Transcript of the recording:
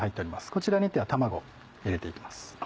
こちらに卵入れていきます。